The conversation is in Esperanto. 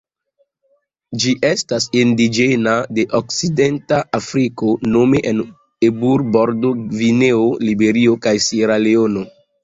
Ĝi estas indiĝena de Okcidenta Afriko nome en Eburbordo, Gvineo, Liberio kaj Sieraleono.